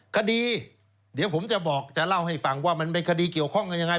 คดีเดี๋ยวผมจะบอกจะเล่าให้ฟังว่ามันเป็นคดีเกี่ยวข้องกันยังไง